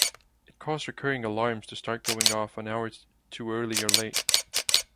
It caused recurring alarms to start going off an hour too early or late.